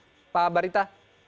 selamat malam pak barita